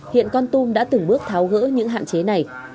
hiện con tung đã tự nhiên tạo ra một bài bản khoa học